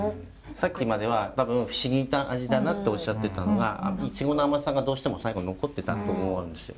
さっきまでは多分不思議な味だなとおっしゃってたのがいちごの甘さがどうしても最後残ってたと思うんですよ。